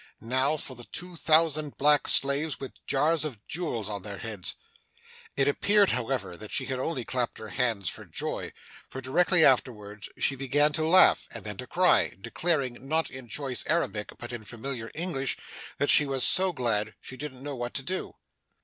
Now for the two thousand black slaves, with jars of jewels on their heads!' It appeared, however, that she had only clapped her hands for joy; for directly afterward she began to laugh, and then to cry; declaring, not in choice Arabic but in familiar English, that she was 'so glad, she didn't know what to do.